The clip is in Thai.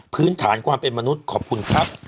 พื้นฐานความเป็นมนุษย์ขอบคุณครับ